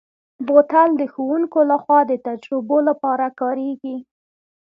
بوتل د ښوونکو لخوا د تجربو لپاره کارېږي.